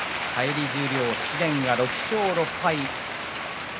返り十両、紫雷、６勝６敗。